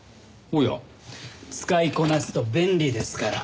使いこなすと便利ですから。